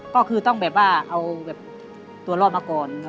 ก็คือต้องแบบว่าเอาแบบตัวรอดมาก่อน